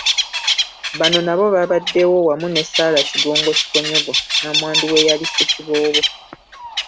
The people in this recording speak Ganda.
Bano nabo babaddewo wamu ne Sarah Kigongo Kikonyogo Nnamwandu w'eyali Ssekiboobo.